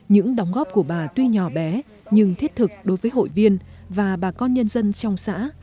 những đóng góp của bà tuy nhỏ bé nhưng thiết thực đối với hội viên và bà con nhân dân trong xã